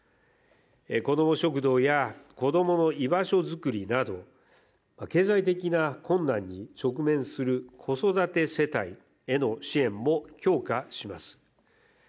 こども食堂や子供の居場所作りなど経済的な困難に直面する子育て世帯への支援も強化します。